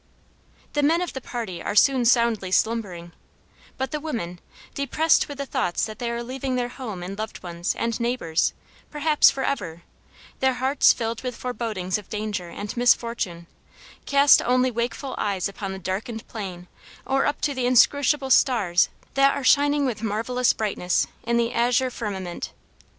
The men of the party are soon soundly slumbering; but the women, depressed with the thoughts that they are leaving their home and loved friends and neighbors, perhaps forever, their hearts filled with forebodings of danger and misfortune, cast only wakeful eyes upon the darkened plain or up to the inscrutable stars that are shining with marvelous brightness in the azure firmament.